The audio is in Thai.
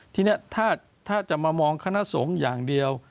ทีนี้ถ้าจะมามองคณะสงฆ์อย่างเดียว